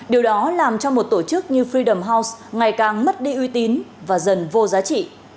điều đó làm cho một tổ chức như fid them house ngày càng mất đi uy tín và dần vô giá trị